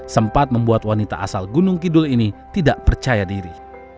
sempat membuat wanita asal gunung kidul ini tidak percaya diri